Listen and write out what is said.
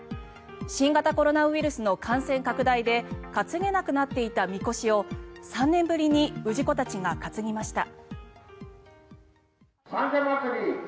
新型コロナウイルスの感染拡大で担げなくなっていたみこしを３年ぶりに氏子たちが担ぎました。